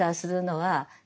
はい。